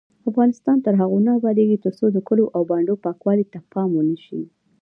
افغانستان تر هغو نه ابادیږي، ترڅو د کلیو او بانډو پاکوالي ته پام ونشي.